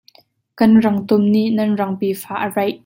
Kan rangtum nih nan rangpi fa a raih.